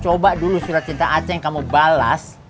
coba dulu surat cinta aceh yang kamu balas